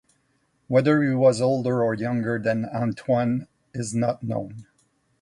Whether he was older or younger than Antoine is not known.